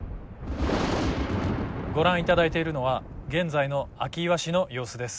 ご覧いただいているのは現在の明岩市の様子です。